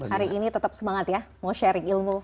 hari ini tetap semangat ya mau sharing ilmu